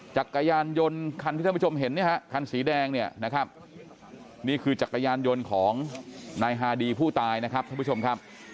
จักรยานยนต์คันท่านผู้ชมเห็นฮะคันสีแดงนี่คือจักรยานยนต์ของนายฮาดีผู้ตายนะครับ